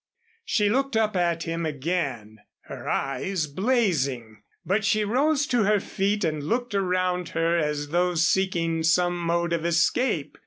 She looked up at him again, her eyes blazing, but she rose to her feet and looked around her as though seeking some mode of escape.